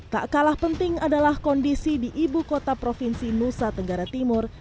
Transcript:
tak kalah penting adalah kondisi di ibu kota provinsi nusa tenggara timur